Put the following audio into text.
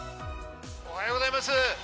おはようございます。